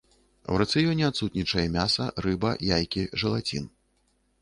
У рацыёне адсутнічае мяса, рыба, яйкі, жэлацін.